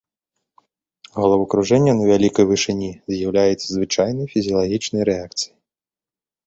Галавакружэнне на вялікай вышыні з'яўляецца звычайнай фізіялагічнай рэакцыяй.